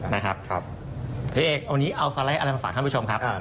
นะครับครับพี่เอกวันนี้เอาสไลด์อะไรมาฝากให้ผู้ชมครับ